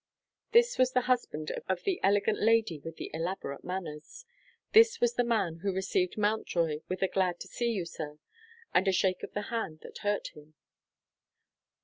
This was the husband of the elegant lady with the elaborate manners. This was the man who received Mountjoy with a "Glad to see you, sir," and a shake of the hand that hurt him.